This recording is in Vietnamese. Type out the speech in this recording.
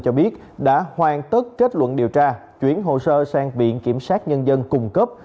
cho biết đã hoàn tất kết luận điều tra chuyển hồ sơ sang viện kiểm sát nhân dân cung cấp